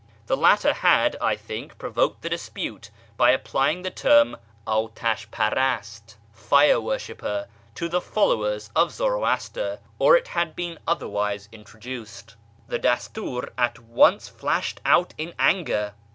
The latter had, I think, provoked the dispute by applying the term dtash parast (" fire worshipper ") to the followers of Zoroaster, or it had been otherwise introduced. The Dastur at once flashed out in anger.